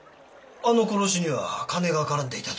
あの殺しには金が絡んでいたと？